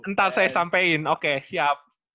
ntar saya sampaikan oke siap